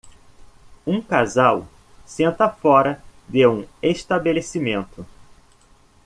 Um casal senta fora de um estabelecimento.